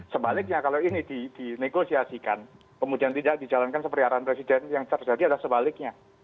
sebaliknya kalau ini dinegosiasikan kemudian tidak dijalankan seperti arahan presiden yang terjadi adalah sebaliknya